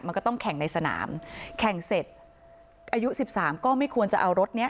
มันก็ต้องแข่งในสนามแข่งเสร็จอายุสิบสามก็ไม่ควรจะเอารถเนี้ย